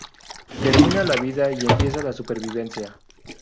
Termina la vida y empieza la supervivencia"".